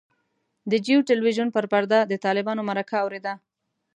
د جیو تلویزیون پر پرده د طالبانو مرکه اورېده.